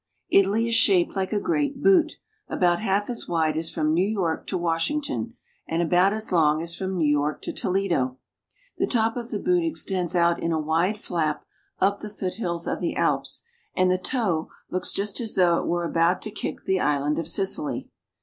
ITALY is shaped like a great boot, about half as wide as from New York to Washington, and about as long as from New York to Toledo. The top of the boot ex tends out in a wide flap up the foothills of the Alps, and the toe looks just as though it were about to kick the island of Sicily.